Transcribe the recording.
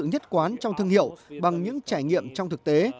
tạo sự nhất quả trong thương hiệu bằng những trải nghiệm trong thực tế